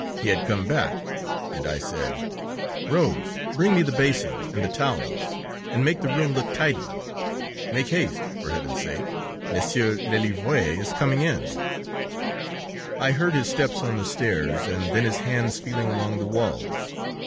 He had come back, and I said: Rose, bring me the basin and the towels, and make the room look tidy. Make haste, for heaven's sake! Monsieur Lelièvre is coming in.' "I heard his steps on the stairs, and then his hands feeling along the walls.